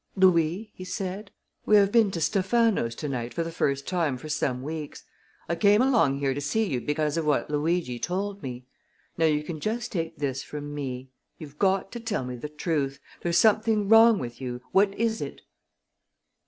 "Louis," he said, "we have been to Stephano's tonight for the first time for some weeks. I came along here to see you because of what Luigi told me. Now you can just take this from me: You've got to tell me the truth. There's something wrong with you! What is it?"